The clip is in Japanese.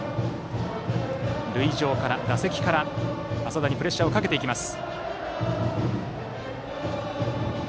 塁上から、打席から淺田にプレッシャーをかけます。